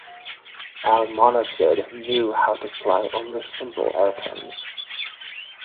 Almonacid knew how to fly only simple airplanes.